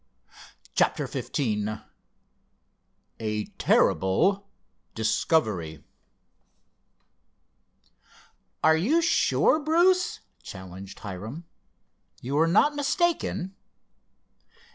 CHAPTER XV A TERRIBLE DISCOVERY "Are you sure, Bruce?" challenged Hiram. "You are not mistaken?"